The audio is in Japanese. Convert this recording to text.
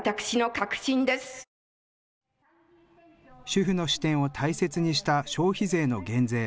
主婦の視点を大切にした消費税の減税。